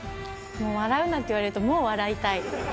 もう笑うなって言われると、もう笑いたい。